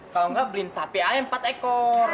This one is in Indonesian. kalau enggak beli sapi aja empat ekor